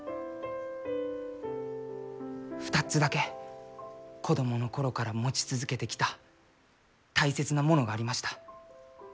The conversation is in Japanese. ２つだけ子供の頃から持ち続けてきた大切なものがありました。